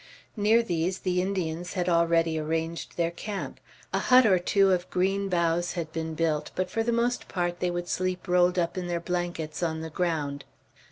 Near these, the Indians had already arranged their camp; a hut or two of green boughs had been built, but for the most part they would sleep rolled up in their blankets, on the ground.